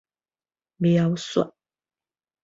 描說